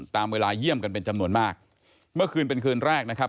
ตามเวลาเยี่ยมกันเป็นจำนวนมากเมื่อคืนเป็นคืนแรกนะครับ